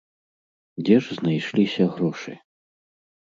Дзе ж знайшліся грошы?